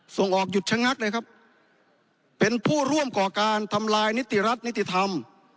ส่งออกหยุดชะงักเลยครับเป็นผู้ร่วมก่อการทำลายนิติรัฐนิติธรรม